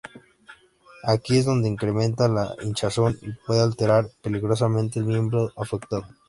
Aquí es donde incrementa la hinchazón y puede alterar peligrosamente el miembro afectado.